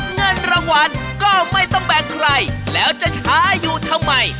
เงินรางวัลก็ไม่ต้องแบ่งใครแล้วจะช้าอยู่ทำไม